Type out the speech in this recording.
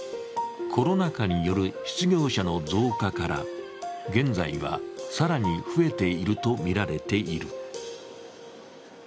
コロナ禍による失業者の増加から現在は更に増えているとみられている。